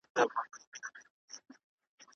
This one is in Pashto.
کرني پوهنځۍ په پټه نه بدلیږي.